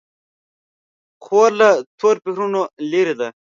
خور له تور فکرونو لیرې ده.